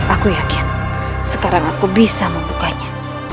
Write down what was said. aku yakin sekarang aku bisa membukanya